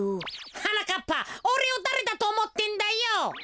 はなかっぱおれをだれだとおもってんだよ。